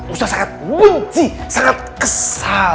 ustadz sangat benci sangat kesal